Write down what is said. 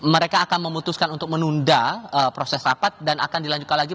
mereka akan memutuskan untuk menunda proses rapat dan akan dilanjutkan lagi